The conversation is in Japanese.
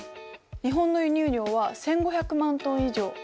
日本の輸入量は１，５００万トン以上。